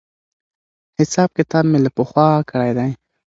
حساب کتاب مې له پخوا کړی دی.